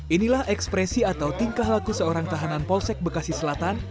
inilah ekspresi atau tingkah laku seorang tahanan polsek bekasi selatan